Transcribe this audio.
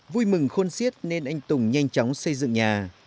vui mừng khôn xiết nên anh tùng nhanh chóng xây dựng nhà